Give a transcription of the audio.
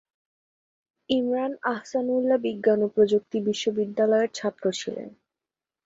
ইমরান আহসানউল্লাহ বিজ্ঞান ও প্রযুক্তি বিশ্ববিদ্যালয়ের ছাত্র ছিলেন।